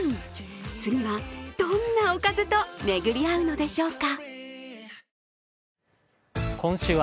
次は、どんなおかずとめぐり合うのでしょうか。